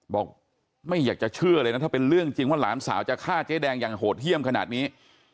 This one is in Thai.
บอกไม่อยากจะเชื่อเลยนะถ้าเป็นเรื่องจริงว่าหลานสาวจะฆ่าเจ๊แดงอย่างโหดเยี่ยมขนาดนี้